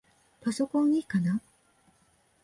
パソコンいいかな？